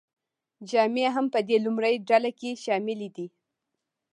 جامې هم په دې لومړۍ ډله کې شاملې دي.